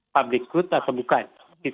public good atau bukan